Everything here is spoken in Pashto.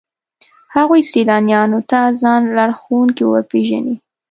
هغوی سیلانیانو ته ځان لارښوونکي ورپېژني.